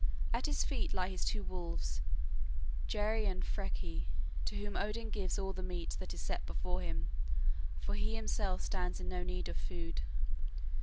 At his feet lie his two wolves, Geri and Freki, to whom Odin gives all the meat that is set before him, for he himself stands in no need of food.